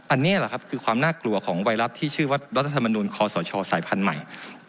อันนี้แหละครับคือความน่ากลัวของไวรัสที่ชื่อว่ารัฐธรรมนุนคอสชสายพันธุ์ใหม่